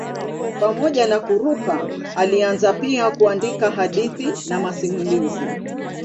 Pamoja na kuruka alianza pia kuandika hadithi na masimulizi.